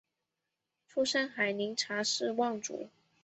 出身海宁查氏望族。